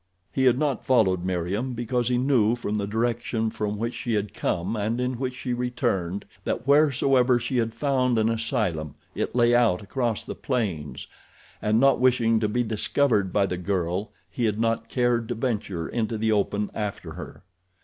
He had not followed Meriem because he knew from the direction from which she had come and in which she returned that wheresoever she had found an asylum it lay out across the plains and not wishing to be discovered by the girl he had not cared to venture into the open after her.